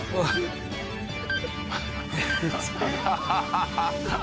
ハハハハ！